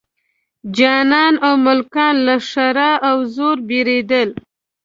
خانان او ملکان له ښرا او زور بېرېدل.